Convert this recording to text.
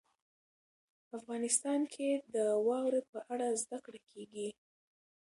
افغانستان کې د واوره په اړه زده کړه کېږي.